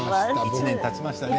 １年たちましたね。